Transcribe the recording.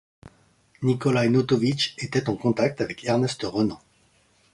Nicolaj Notovič était en contact avec Ernest Renan.